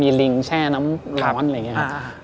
ลิงแช่น้ำร้อนอะไรอย่างนี้ครับ